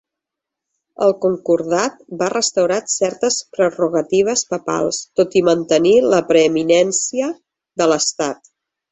El concordat va restaurar certes prerrogatives papals, tot i mantenir la preeminència de l'estat.